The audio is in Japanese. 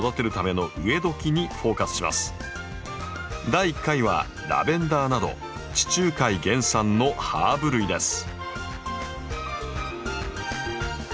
第１回はラベンダーなど地中海原産のハーブ類です。